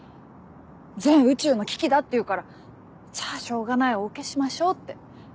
全宇宙の危機だっていうからじゃあしょうがないお受けしましょうって。